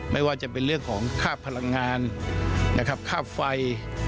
ไม่ว่าจะเป็นเรื่องของค่าพลังงานนะครับค่าไฟ